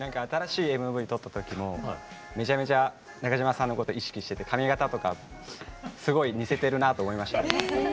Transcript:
新しいＭＶを撮ったときもめちゃめちゃ中島さんのこと意識してて髪形とかすごい似せてるなと思いました。